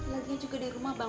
laginya juga di rumah bang